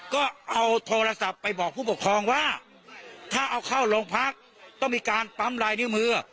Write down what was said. ก็เอาโทรศัพท์ไปบอกผู้ปกครองว่าถ้าเอาเข้าโรงพักต้องมีการปั๊มลายนิ้วมือ